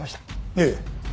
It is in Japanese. ええ。